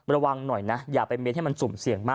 ระวังหน่อยนะอย่าไปเม้นให้มันสุ่มเสี่ยงมาก